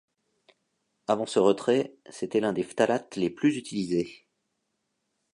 Avant ce retrait c'était l'un des phtalates les plus utilisés.